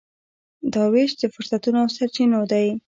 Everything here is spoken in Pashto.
دا وېش د فرصتونو او سرچینو دی.